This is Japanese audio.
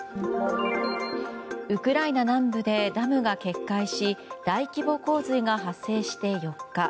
ウクライナ南部でダムが決壊し大規模洪水が発生して４日。